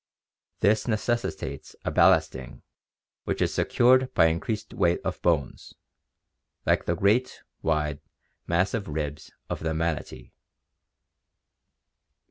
This neces sitates a ballasting which is secured by increased weight of bones, like the great, wide, massive ribs of the manatee.